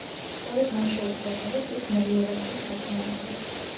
სწორედ მან შეუწყო ხელი ტყის მელიორაციის საქმიანობას.